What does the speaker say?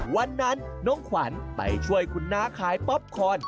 วันนั้นน้องขวัญไปช่วยคุณน้าขายป๊อปคอน